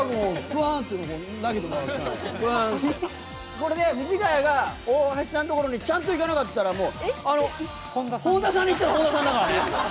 これで藤ヶ谷が大橋さんの所にちゃんと行かなかったらもう本多さんにいったら本多さんだからね。